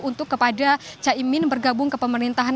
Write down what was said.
untuk kepada caimin bergabung ke pemerintahan